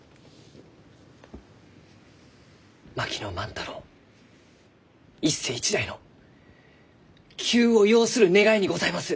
槙野万太郎一世一代の急を要する願いにございます！